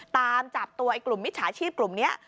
ตามจับตัวไอ้กลุ่มมิจฉาชีพกลุ่มนี้